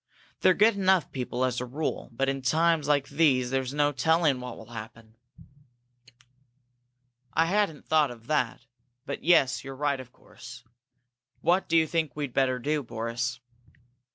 They're good enough people, as a rule, but in times like these there's no telling what will happen." "I hadn't thought of that. But yes, you're right, of course. What do you think we'd better do, Boris?"